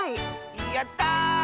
やった！